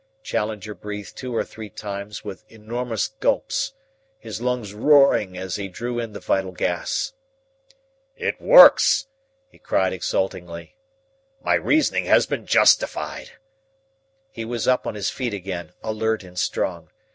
Challenger breathed two or three times with enormous gulps, his lungs roaring as he drew in the vital gas. "It works!" he cried exultantly. "My reasoning has been justified!" He was up on his feet again, alert and strong.